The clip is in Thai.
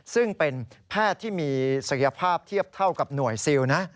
ซึ่งเป็นแพทย์ที่มีศักยภาพเทียบเท่ากับหน่วยซิลนะ